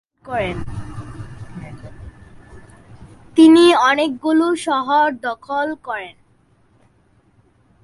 তিনি অনেকগুলো শহর দখল করেন।